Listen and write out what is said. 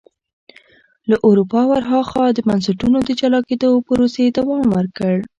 له اروپا ور هاخوا د بنسټونو د جلا کېدو پروسې دوام ورکړ.